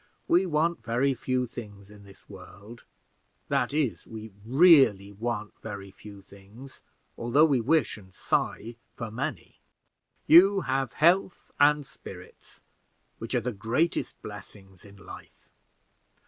We want very few things in this world that is, we really want very few things, although we wish and sigh for many. You have health and spirits, which are the greatest blessings in life.